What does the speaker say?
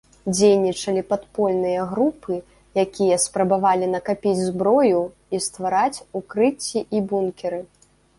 Дзейнічалі падпольныя групы, якія спрабавалі накапіць зброю і ствараць укрыцці і бункеры.